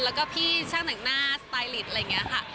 แล้วก็พี่ช่างแต่งหน้าสไตลิตอะไรอย่างนี้ค่ะ